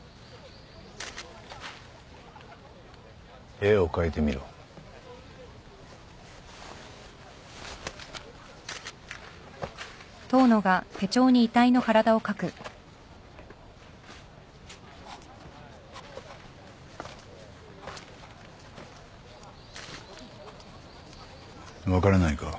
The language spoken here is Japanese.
絵を描いてみろ。分からないか？